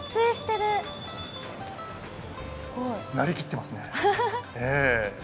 なりきってますね。